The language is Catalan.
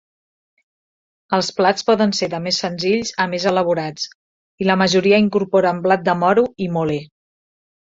Els plats poden ser de més senzills a més elaborats i la majoria incorporen blat de moro i mole.